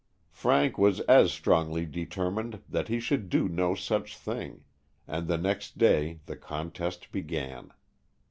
Frank was as strongly determined that he should do no such thing, and the next day the contest began.